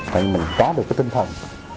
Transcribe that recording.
tại vì mình có được cái tinh thần